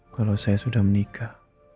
kalau saya sudah menikah